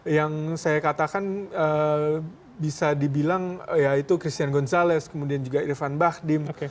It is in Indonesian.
yang saya katakan bisa dibilang ya itu christian gonzalez kemudian juga irfan bahdim